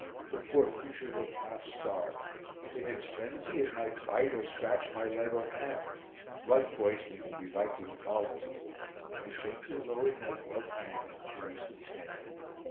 The poor creature looked half starved. In its frenzy, it might bite or scratch my leg or hand. Blood poisoning would be likely to follow. I gently lowered my gloved hand and caressed its head.